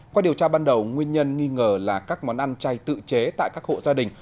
qua điều tra ban đầu nguyên nhân nghi ngờ là các món ăn chay tự chế tại các hộ gia đình